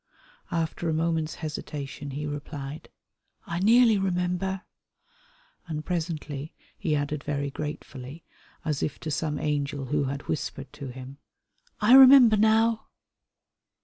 After a moment's hesitation he replied, "I nearly remember," and presently he added very gratefully, as if to some angel who had whispered to him, "I remember now."